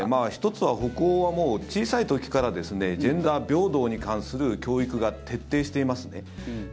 １つは北欧は、もう小さい時からジェンダー平等に関する教育が徹底していますね。